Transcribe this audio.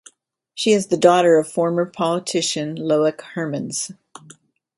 She is the daughter of former politician Loek Hermans.